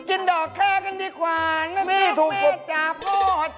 กินดอกแคกันดีกว่าไ๑๗๕ปู๊ดจาร่